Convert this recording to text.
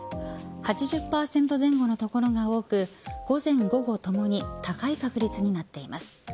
８０％前後の所が多く午前、午後ともに高い確率になっています。